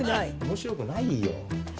面白くないよ。